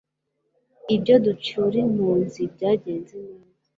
Ibyo gucyura impunzi byagenze neza